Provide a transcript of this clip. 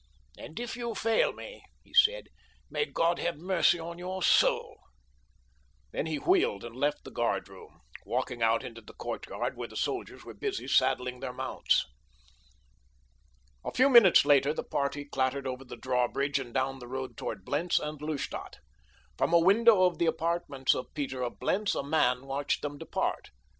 "And if you fail me," he said, "may God have mercy on your soul." Then he wheeled and left the guardroom, walking out into the courtyard where the soldiers were busy saddling their mounts. A few minutes later the party clattered over the drawbridge and down the road toward Blentz and Lustadt. From a window of the apartments of Peter of Blentz a man watched them depart.